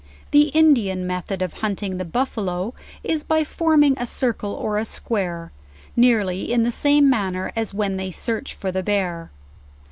The Indian method of hunting the buffalo is by forming a circle or a square, nearly in the same manner as when they search for the bear.